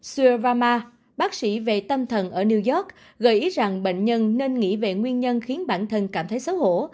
sueva bác sĩ về tâm thần ở new york gợi ý rằng bệnh nhân nên nghĩ về nguyên nhân khiến bản thân cảm thấy xấu hổ